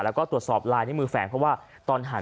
และตรวจสอบลายในมือแฝงเพราะว่าตอนหาญ